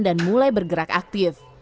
dan mulai bergerak aktif